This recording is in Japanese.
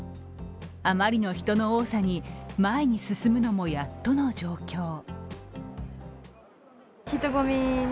あまりの人の多さに前に進むのもやっとの状況。